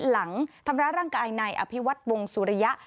หลังทำร้ายร่างกายนายอภิวัตวงสุริยะ